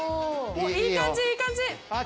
いい感じいい感じ！